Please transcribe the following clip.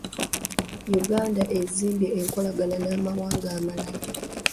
Uganda ezimbye enkolagana n'amawanga amalala.